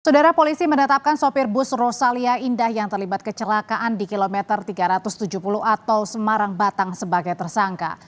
saudara polisi menetapkan sopir bus rosalia indah yang terlibat kecelakaan di kilometer tiga ratus tujuh puluh a tol semarang batang sebagai tersangka